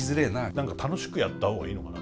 何か楽しくやった方がいいのかな。